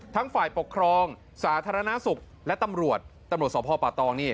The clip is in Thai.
ฝ่ายปกครองสาธารณสุขและตำรวจตำรวจสพป่าตองนี่